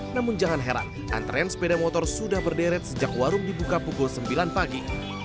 namun jangan heran antrean sepeda motor sudah berderet sejak warung dibuka pukul sembilan pagi